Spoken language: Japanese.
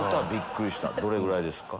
どれぐらいですか？